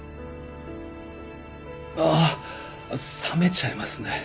ああ冷めちゃいますね。